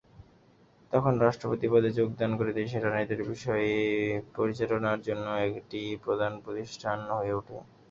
তখন রাষ্ট্রপতি পদে যোগদান করে দেশে নারীদের বিষয় পরিচালনার জন্য এটি প্রধান প্রতিষ্ঠান হয়ে ওঠে।